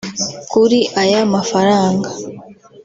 Kuri aya mafaranga